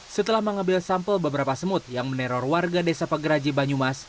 setelah mengambil sampel beberapa semut yang meneror warga desa pageraji banyumas